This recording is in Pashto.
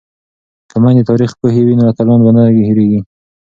که میندې تاریخ پوهې وي نو اتلان به نه هیریږي.